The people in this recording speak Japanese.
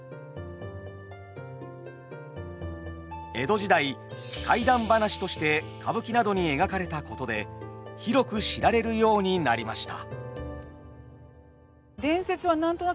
江戸時代怪談話として歌舞伎などに描かれたことで広く知られるようになりました。